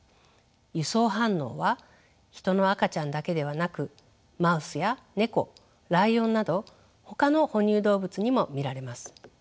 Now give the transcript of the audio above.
輸送反応はヒトの赤ちゃんだけではなくマウスやネコライオンなどほかの哺乳動物にも見られます。